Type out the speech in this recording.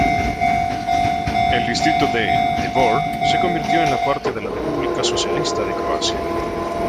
El distrito de Dvor se convirtió en parte de la República Socialista de Croacia.